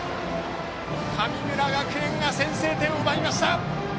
神村学園が先制点を奪いました！